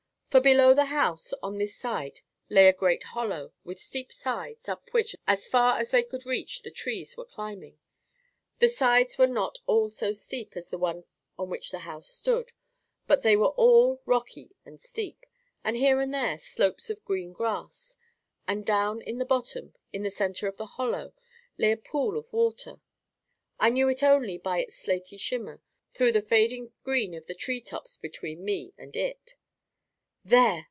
For below the house on this side lay a great hollow, with steep sides, up which, as far as they could reach, the trees were climbing. The sides were not all so steep as the one on which the house stood, but they were all rocky and steep, with here and there slopes of green grass. And down in the bottom, in the centre of the hollow, lay a pool of water. I knew it only by its slaty shimmer through the fading green of the tree tops between me and it. "There!"